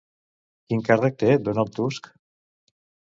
Quin càrrec té Donald Tusk?